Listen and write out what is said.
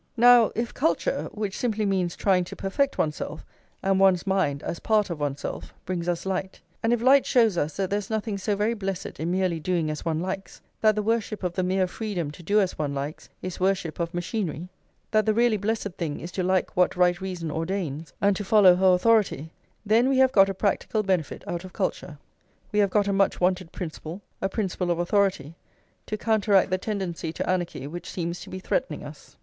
Now, if culture, which simply means trying to perfect oneself, and one's mind as part of oneself, brings us light, and if light shows us that there is nothing so very blessed in merely doing as one likes, that the worship of the mere freedom to do as one likes is worship of machinery, that the really blessed thing is to like what right reason ordains, and to follow her authority, then we have got a practical benefit out of culture. We have got a much wanted principle, a principle of authority, to counteract the tendency to anarchy which seems to be threatening us.